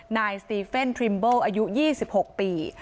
นายสตีเฟนทริมเบิลอายุ๒๖ปี